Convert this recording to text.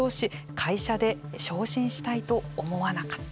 会社で昇進したいと思わなかった。